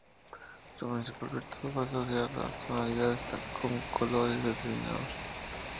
Su principal virtud fue asociar tonalidades con colores determinados.